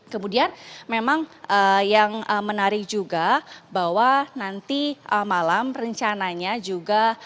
kemudian memang yang menarik juga bahwa nanti malam rencananya juga